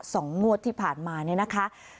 งวดที่ผ่านมาเนี่ยนะคะ